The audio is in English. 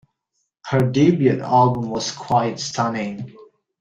Her debut album was quite stunning.